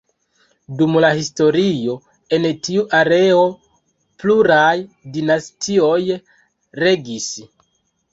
Dum la historio en tiu areo pluraj dinastioj regis.